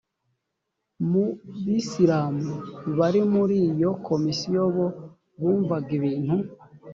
mu bisilamu bari muri iyo komisiyo bo bumvaga ibintu